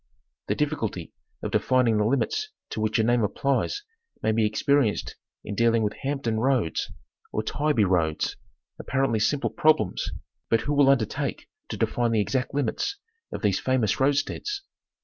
The difficulty of defining the limits to which a name applies may be experienced in dealing with "Hampton Roads," or "Tybee Roads ;" apparently simple problems, but who will undertake to define the exact limits of these famous roadsteads